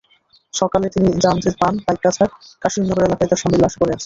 সকালে তিনি জানতে পান, পাইকগাছার কাশিমনগর এলাকায় তাঁর স্বামীর লাশ পড়ে আছে।